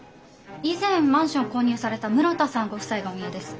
以前マンションを購入された室田さんご夫妻がお見えです。